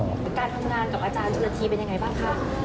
การทำงานกับอาจารย์ชนละทีเป็นยังไงบ้างคะ